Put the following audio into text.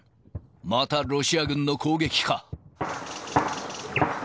またロシア軍の攻撃か。